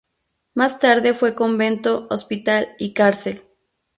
Más tarde fue convento, hospital y cárcel.